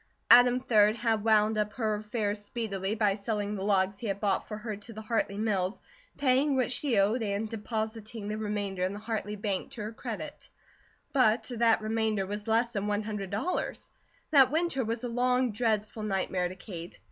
Adam, 3d, had wound up her affairs speedily by selling the logs he had bought for her to the Hartley mills, paying what she owed, and depositing the remainder in the Hartley Bank to her credit; but that remainder was less than one hundred dollars. That winter was a long, dreadful nightmare to Kate.